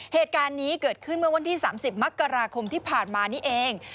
เหตุการณ์นี้เกิดขึ้นเมื่อวันที่๓๐มกราคมที่ผ่านมานี่เอง